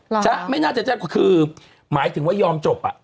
อ๋อล่ะจ๊ะไม่น่าจะแจ้งความคือหมายถึงว่ายอมจบอะ